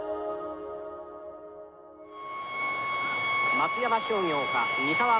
松山商業か三沢高校か。